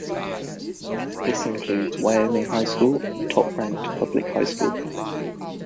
This includes Wyoming High School, a top-ranked public high school.